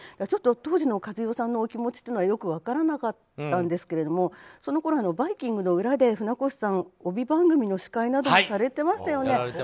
ちょっと当時の一代さんのお気持ちというのはよく分からなかったんですけどそのころ「バイキング」の裏で船越さん帯番組の司会などもされてましたよね。